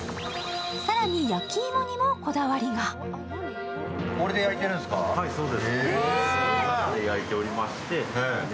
更に、焼き芋にもこだわりがおいしそう！